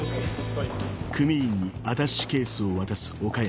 はい。